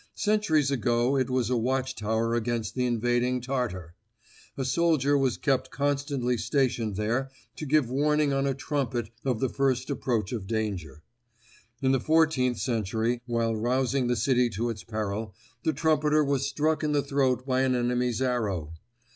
Centuries ago it was a watch tower against the invading Tartar; a soldier was kept constantly stationed there to give warning on a trumpet of the first approach of danger. In the fourteenth century, while rousing the city to its peril, the trumpeter was struck in the throat by an enemy's arrow.